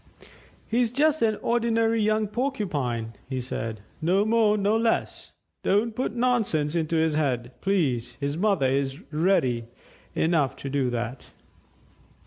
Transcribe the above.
"He's just an ordinary young Porcupine," he said; "no more, no less. Don't put nonsense into his head, please his mother is ready enough to do that."